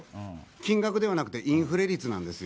金額ではなくてインフレ率なんですよ。